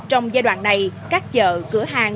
trong giai đoạn này các chợ cửa hàng